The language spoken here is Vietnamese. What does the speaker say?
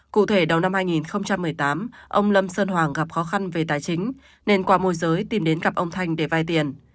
cụ thể đầu năm hai nghìn một mươi tám ông lâm sơn hoàng gặp khó khăn về tài chính nên qua môi giới tìm đến gặp ông thanh để vay tiền